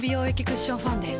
クッションファンデ